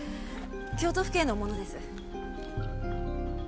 京都府警の者です。